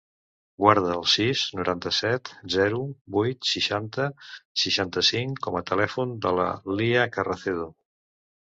Guarda el sis, noranta-set, zero, vuit, seixanta, seixanta-cinc com a telèfon de la Lya Carracedo.